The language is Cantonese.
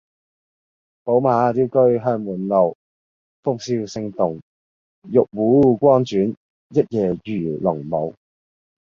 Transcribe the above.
寶馬雕車香滿路，鳳簫聲動，玉壺光轉，一夜魚龍舞